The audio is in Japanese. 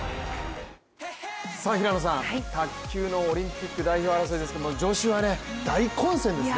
平野さん、卓球のオリンピック代表争いですが女子は大混戦ですね。